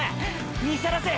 見さらせ！！